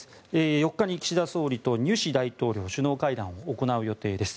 ４日に岸田総理とニュシ大統領が首脳会談を行う予定です。